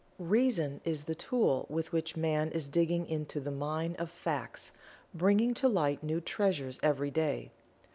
Reason is the tool with which Man is digging into the mine of Facts, bringing to light new treasures every day.